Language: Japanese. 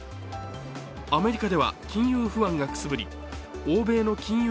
アメリカでは金融不安がくすぶり、欧米の金融